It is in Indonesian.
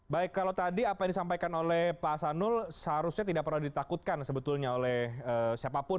baik kalau tadi apa yang disampaikan oleh pak asanul seharusnya tidak pernah ditakutkan sebetulnya oleh siapapun